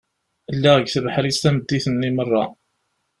Lliɣ deg tebḥirt tameddit-nni meṛṛa.